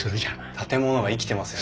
建物が生きてますよね。